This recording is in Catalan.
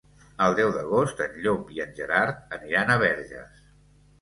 El deu d'agost en Llop i en Gerard aniran a Verges.